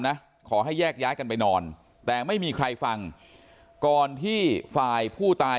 นะขอให้แยกย้ายกันไปนอนแต่ไม่มีใครฟังก่อนที่ฝ่ายผู้ตาย